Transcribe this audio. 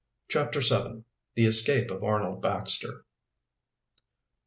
CHAPTER VII. THE ESCAPE OF ARNOLD BAXTER.